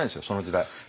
その時代。